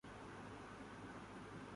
وہ اب بھی ہوتا ہے۔